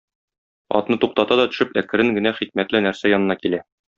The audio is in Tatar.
Атны туктата да төшеп әкрен генә хикмәтле нәрсә янына килә.